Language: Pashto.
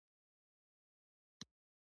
دا په تا څه وشول ؟